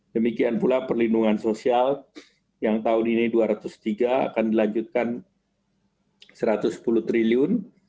demikian pula perlindungan sosial yang tahun ini rp dua ratus tiga akan dilanjutkan rp satu ratus sepuluh triliun